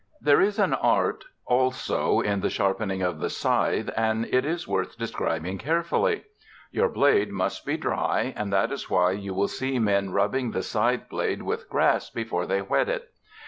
There is an art also in the sharpening of the scythe, and it is worth describing carefully. Your blade must be dry, and that is why you will see men rubbing the scythe blade with grass before they whet it.